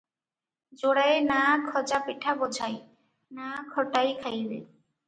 ଯୋଡ଼ାଏ ନାଆ ଖଜା ପିଠା ବୋଝାଇ, ନାଆ ଖଟାଇ ଖାଇବେ ।